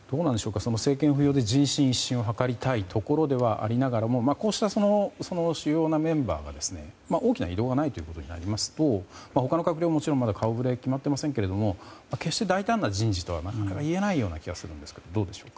政権浮揚で、人心一新を図りたいところでありながらもこうした主要なメンバーが大きな異動はないということになりますと他の閣僚はもちろん顔ぶれは決まっていませんが決して大胆な人事とは言えないような気がするんですが。